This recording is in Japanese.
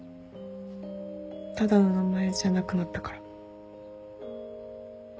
ただの名前じゃなくなったから。